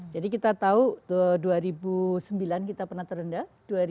jadi kita tahu dua ribu sembilan kita pernah terendah